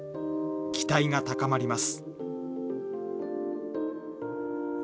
期待が高まります。